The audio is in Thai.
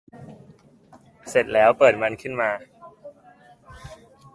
เสร็จแล้วเปิดมันขึ้นมา